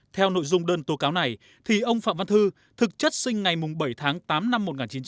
theo nội dung đơn tố cáo này thì ông phạm văn thư thực chất sinh ngày bảy tháng tám năm một nghìn chín trăm bảy mươi